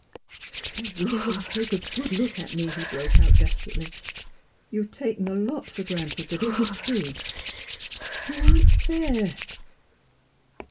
"I wish you'd take a good look at me," he broke out desperately. " You've taken a lot for granted that isn't true. You aren't — fair!